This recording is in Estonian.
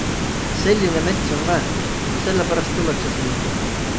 Selline mets on väärtus, selle pärast tullakse siia.